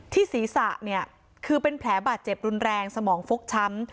ศีรษะเนี่ยคือเป็นแผลบาดเจ็บรุนแรงสมองฟกช้ำ